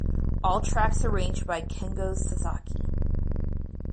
All tracks arranged by Kengo Sasaki.